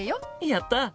やった！